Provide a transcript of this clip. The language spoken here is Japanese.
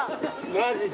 マジで？